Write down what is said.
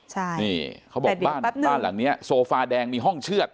ใช่แต่เดี๋ยวแป๊บหนึ่งเขาบอกบ้านหลังนี้โซฟาแดงมีห้องเชือด